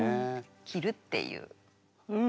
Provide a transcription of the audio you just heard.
切るっていう。